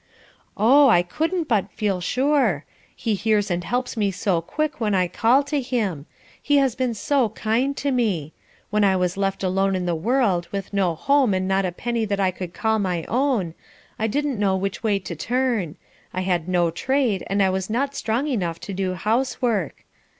"Oh, I couldn't but feel sure. He hears and helps me so quick when I call to him. He has been so kind to me. When I was left alone in the world with no home and not a penny that I could call my own, I didn't know which way to turn; I had no trade, and I was not strong enough to do housework.